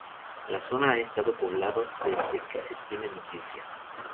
La zona ha estado poblada desde que se tiene noticia.